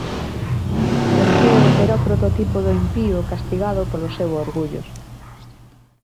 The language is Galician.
Penteo era o prototipo do impío castigado polo seu orgullo.